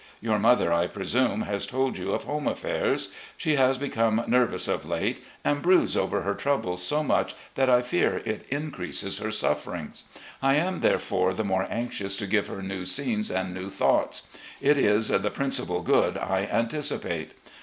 Your mother, I presume, has told you of home affairs. She has become nervous of late, and broods over her troubles so much that I fear it increases her sufferings. I am therefore the more anxious to give her new scenes and new thoughts. It is the principal good I anticipate.